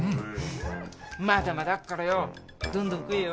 まだまだあっからよどんどん食えよ。